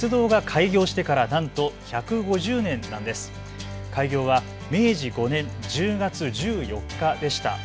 開業は明治５年１０月１４日でした。